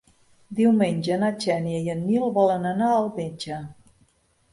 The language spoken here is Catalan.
Diumenge na Xènia i en Nil volen anar al metge.